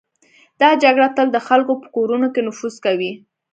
دا جګړه تل د خلکو په کورونو کې نفوذ کوي.